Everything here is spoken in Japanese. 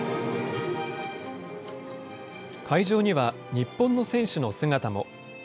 会場には、日本の選手の姿も。